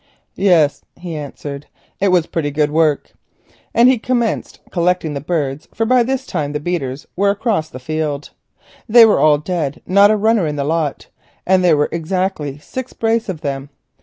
"Yes," he answered, "it was pretty good work;" and he commenced collecting the birds, for by this time the beaters were across the field. They were all dead, not a runner in the lot, and there were exactly six brace of them.